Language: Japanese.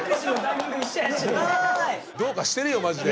すごい！どうかしてるよマジで。